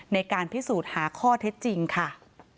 ในการพิสูจน์หาข้อเท็จจริงค่ะ